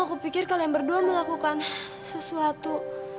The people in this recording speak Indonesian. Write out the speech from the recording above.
aku pikir kalian berdua melakukan sesuatu